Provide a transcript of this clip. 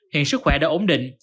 hiện sức khỏe đã ổn định